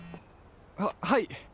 はっはい。